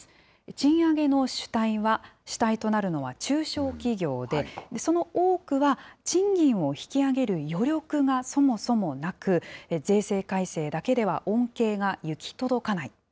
賃上げの主体となるのは中小企業で、その多くは賃金を引き上げる余力がそもそもなく、税制改正だけでは恩恵が行き届かない。